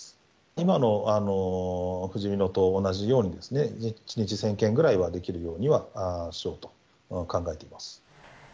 今のふじみのと同じようにですね、１日１０００件ぐらいはできるようにはしようと考えています。